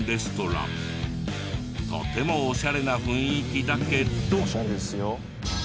とてもオシャレな雰囲気だけど。